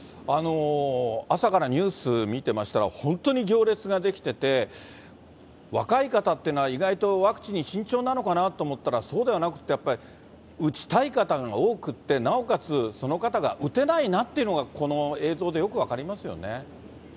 朝からニュース見てましたら、本当に行列が出来てて、若い方っていうのは意外とワクチンに慎重なのかなと思ったら、そうではなくて、やっぱり打ちたい方が多くて、なおかつ、その方が打てないなっていうのが、この映像でよく分かりますよね。